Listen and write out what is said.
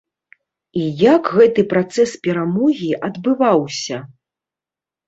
І як гэты працэс перамогі адбываўся?